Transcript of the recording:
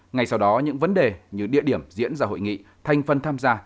ngay sau đó những vấn đề như địa điểm diễn ra hội nghị thành phần tham gia